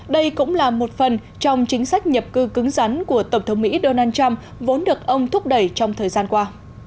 đây cũng là một phần trong chính sách nhập cư cứng rắn của tổng thống mỹ donald trump vốn được ông thúc đẩy trong thời gian qua